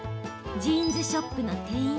ジーンズショップの店員